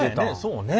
そうね。